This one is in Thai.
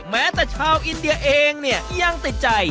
แม้แต่ชาวอินเดียเองเนี่ยยังติดใจ